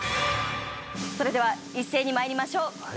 それでは一斉に参りましょう。